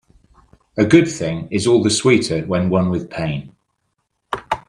A good thing is all the sweeter when won with pain.